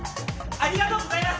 ありがとうございます。